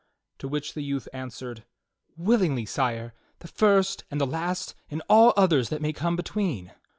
To which the youth answered: "Willingly, Sire, the first and the last, and all others that may come between."